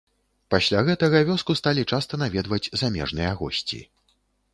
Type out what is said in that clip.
Пасля гэтага вёску сталі часта наведваць замежныя госці.